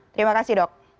terima kasih dok